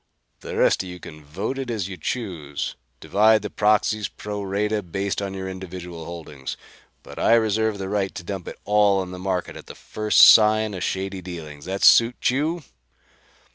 The rest of you can vote it as you choose: divide the proxies pro rata, based on your individual holdings. But I reserve the right to dump it all on the market at the first sign of shady dealings. That suit you?"